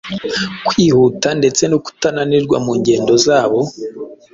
kwihuta ndetse no kutananirwa mu ngendo zabo,